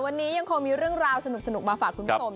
วันนี้ยังคงมีเรื่องราวสนุกมาฝากคุณผู้ชม